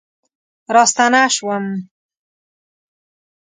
راستنه شوم